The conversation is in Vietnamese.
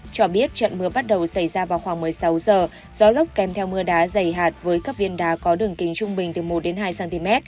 cho biết trận mưa bắt đầu xảy ra vào khoảng một mươi sáu h gió lốc kèm theo mưa đá dày hạt với các viên đá có đường kính trung bình từ một đến hai cm